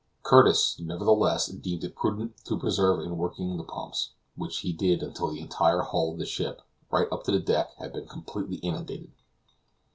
Curtis, nevertheless, deemed it prudent to persevere in working the pumps, which he did until the entire hull of the ship, right up to the deck, had been completely inundated.